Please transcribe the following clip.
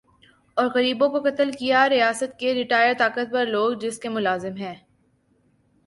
اور غریبوں کو قتل کیا ریاست کے ریٹائر طاقتور لوگ جس کے ملازم ھیں